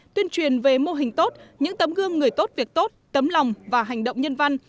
tuyên truyền về mô hình tốt những tấm gương người tốt việc tốt tấm lòng và hành động nhân văn